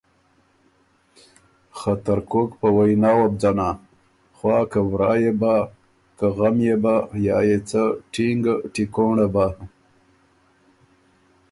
خه ترکوک په وئنا وه بُو ځنا خوا که ورا يې بۀ که غم یا يې څه ټینګه ټیکونړه بۀ۔